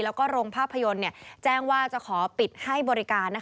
แล้วก็โรงภาพยนตร์แจ้งว่าจะขอปิดให้บริการ